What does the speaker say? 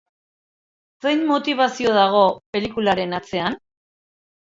Zein motibazio dago pelikularen atzean?